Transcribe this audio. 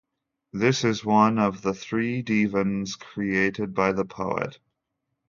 This is one of the three Divans created by the poet.